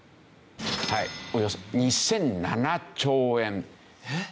はいおよそ２００７兆円。